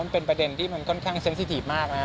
มันเป็นประเด็นที่มันค่อนข้างเซ็นสิทีฟมากนะ